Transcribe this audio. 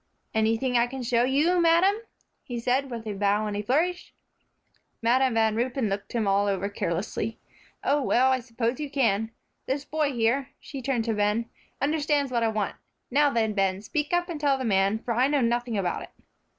"Anything I can show you, madam?" he said with a bow and a flourish. Madam Van Ruypen looked him all over carelessly. "Oh, well, I suppose you can; this boy here," she turned to Ben, "understands what I want. Now then, Ben, speak up and tell the man, for I know nothing about it."